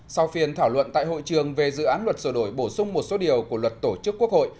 sau phiên thảo luận tại hội trường về dự án luật sửa đổi bổ sung một số điều của luật tổ chức quốc hội